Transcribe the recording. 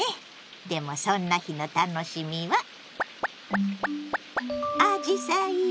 でもそんな日の楽しみはアジサイよ！